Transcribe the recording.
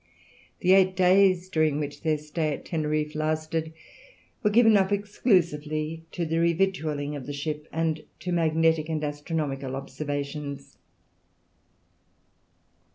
The eight days during which their stay at Teneriffe lasted were given up exclusively to the revictualling of the ship, and to magnetic and astronomical observations.